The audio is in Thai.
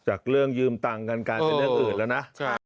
จากเรื่องยืมตังค์กันกลายเป็นเรื่องอื่นแล้วนะ